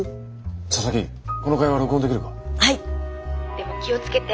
☎でも気を付けて。